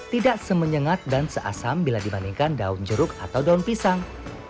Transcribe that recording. tidak semenyengat dan seasam bila dibandingkan daun jeruk atau daun pisang